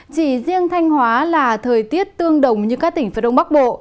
chỉ riêng thanh hóa là thời tiết tương đồng như các tỉnh phía đông bắc bộ